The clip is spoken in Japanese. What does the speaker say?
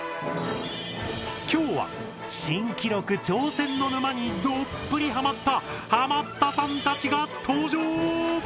今日は新記録挑戦の沼にどっぷりハマったハマったさんたちが登場！